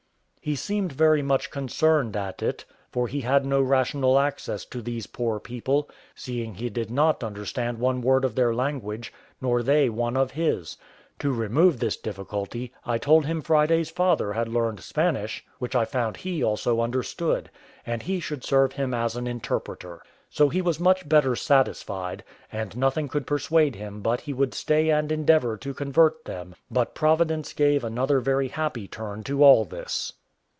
He seemed very much concerned at it, for he had no rational access to these poor people, seeing he did not understand one word of their language, nor they one of his. To remove this difficulty, I told him Friday's father had learned Spanish, which I found he also understood, and he should serve him as an interpreter. So he was much better satisfied, and nothing could persuade him but he would stay and endeavour to convert them; but Providence gave another very happy turn to all this.